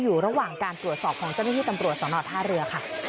อยู่ระหว่างการตรวจสอบของเจ้าหน้าที่ตำรวจสนท่าเรือค่ะ